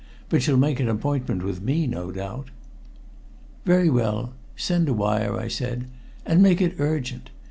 But she'll make an appointment with me, no doubt." "Very well. Send a wire," I said. "And make it urgent.